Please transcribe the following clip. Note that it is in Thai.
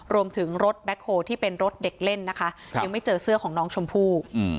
รวมถึงรถแบ็คโฮลที่เป็นรถเด็กเล่นนะคะยังไม่เจอเสื้อของน้องชมพู่